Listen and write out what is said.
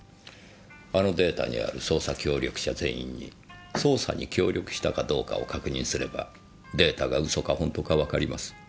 あのデータにある捜査協力者全員に捜査に協力したかどうかを確認すればデータが嘘か本当かわかります。